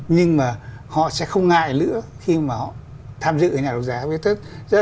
nhưng mà họ sẽ không ngại nữa khi mà họ tham dự cái nhà đấu giá wh